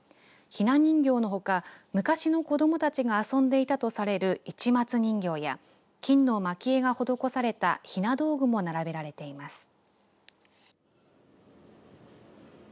ひな人形のほか、昔の子どもたちが遊んでいたとされる市松人形や金のまき絵が施されたひな道具も並べられています。